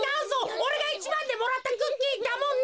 おれがいちばんでもらったクッキーだもんね。